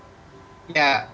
bapak soebu iman